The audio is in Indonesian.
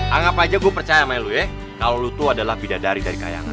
anggap aja gue percaya sama elu ya kalau elu tuh adalah bidadari dari kayangan